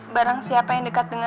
barang siapa yang dekat dengan